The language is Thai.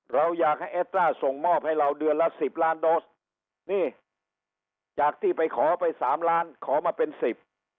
เราอยากให้เอสตราส่งมอบให้เราเดือนละสิบล้านโดสนี่จากที่ไปขอไปสามล้านขอมาเป็นสิบ